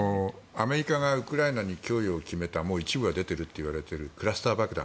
アメリカがウクライナに供与を決めたもう、一部は出ているといわれているクラスター爆弾。